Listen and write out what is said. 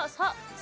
「さ」